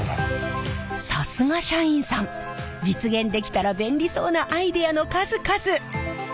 さすが社員さん実現できたら便利そうなアイデアの数々。